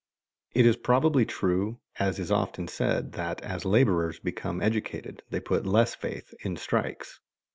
It is probably true, as is often said, that as laborers become educated they put less faith in strikes.